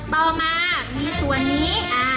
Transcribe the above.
ต่อมามีส่วนนี้